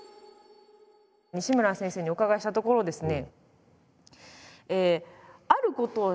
西村先生にお伺いしたところですね